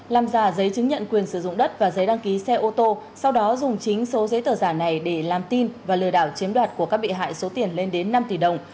làm giả giấy chứng nhận quyền sử dụng đất và giấy đăng ký xe ô tô sau đó dùng chính số giấy tờ giả này để làm tin và lừa đảo chiếm đoạt của các bị hại số tiền lên đến năm tỷ đồng